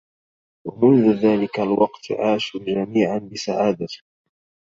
ومنذ ذلك الوقت عاشوا جميعا بسعادة.